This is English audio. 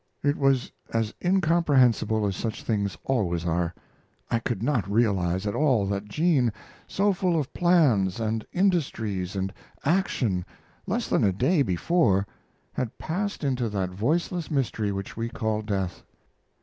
It was as incomprehensible as such things always are. I could not realize at all that Jean, so full of plans and industries and action less than a day before, had passed into that voiceless mystery which we call death.